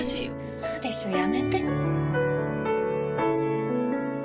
ウソでしょ？やめて。